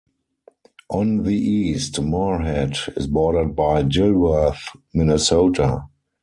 On the east, Moorhead is bordered by Dilworth, Minnesota.